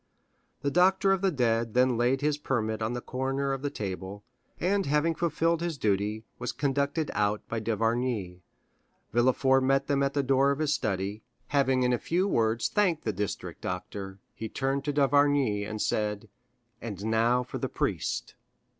The doctor of the dead then laid his permit on the corner of the table, and having fulfilled his duty, was conducted out by d'Avrigny. Villefort met them at the door of his study; having in a few words thanked the district doctor, he turned to d'Avrigny, and said: "And now the priest."